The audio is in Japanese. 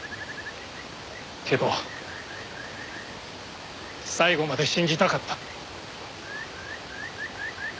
けど最後まで信じたかった。